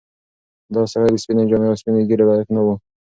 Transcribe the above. دا سړی د سپینې جامې او سپینې ږیرې لایق نه و.